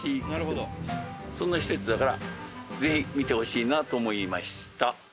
そんな施設だからぜひ見てほしいなと思いました。